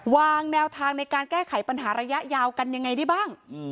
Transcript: วางแนวทางในการแก้ไขปัญหาระยะยาวกันยังไงได้บ้าง